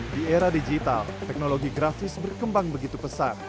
di era digital teknologi grafis berkembang begitu pesat